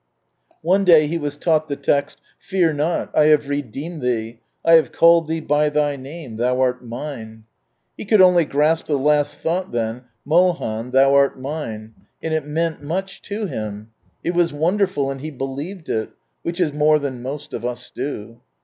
One day he was taught the text, " Fear not, I have redeemed thee, I have called thee by thy name, thou art Mine." He could only grasp the last thought then, Mohan, thou art Mine, and it meant much to iiim ; it was wonderful and he believed it — ^which is more than most of us do.